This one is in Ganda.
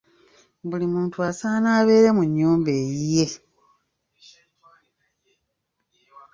Buli muntu asaana abeere mu nnyumba eyiye.